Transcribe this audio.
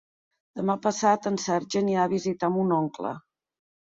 Demà passat en Sergi anirà a visitar mon oncle.